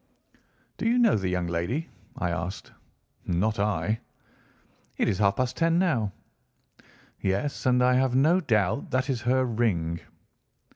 "Do you know the young lady?" I asked. "Not I." "It is half past ten now." "Yes, and I have no doubt that is her ring."